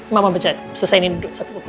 mama bercaya selesai ini duduk satu satu